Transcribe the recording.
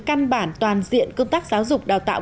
căn bản toàn diện công tác giáo dục đào tạo